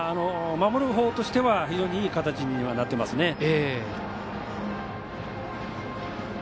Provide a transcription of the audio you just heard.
守るほうとしては非常にいい形にはなってますね。